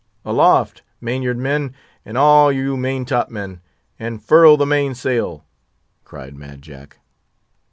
"Aloft, main yard men! and all you main top men! and furl the main sail!" cried Mad Jack.